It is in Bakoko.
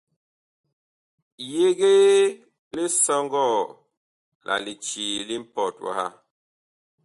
Yegee lisɔŋgɔɔ la licii li mpɔt waha.